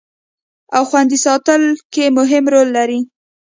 او خوندي ساتلو کې مهم رول لري